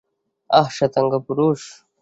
আহ, শ্বেতাঙ্গ পুরুষ।